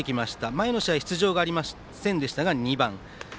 前の試合出場がありませんでしたが２番。